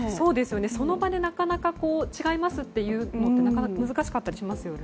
その場で違いますと言うのもなかなか難しかったりしますよね。